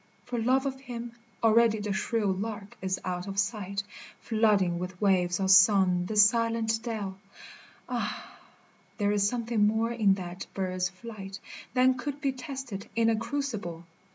for love of him Already the shrill lark is out of sight, Flooding with waves of song this silent dell, — Ah ! there is something more in that bird's flight Than could be tested in a crucible